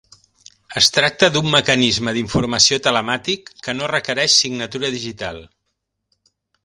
Es tracta d'un mecanisme d'informació telemàtic que no requereix signatura digital.